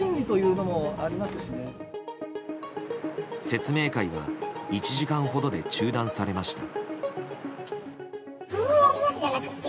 説明会は１時間ほどで中断されました。